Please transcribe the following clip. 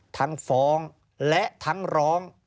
ทั้งฟ้องและทั้งร้อง